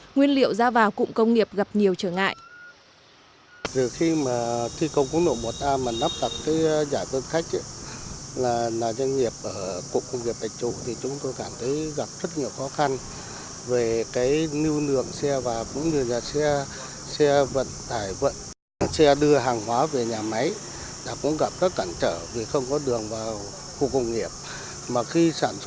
nguyên liệu ra vào cụm công nghiệp gặp nhiều trở ngại